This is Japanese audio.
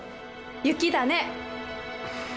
「雪だね」